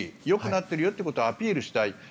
よくなってるよということをアピールしてほしい。